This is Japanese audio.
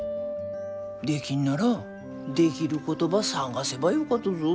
できんならできることば探せばよかとぞ。